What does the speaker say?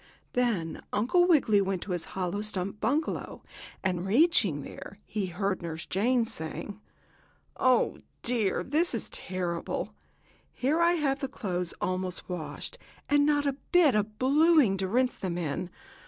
Then Uncle Wiggily went on to his hollow stump bungalow, and, reaching there, he heard Nurse Jane saying: "Oh, dear! This is terrible. Here I have the clothes almost washed, and not a bit of bluing to rinse them in.